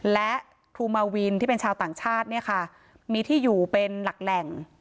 และครูมาวินที่เป็นชาวต่างชาติเนี่ยค่ะมีที่อยู่เป็นหลักแหล่ง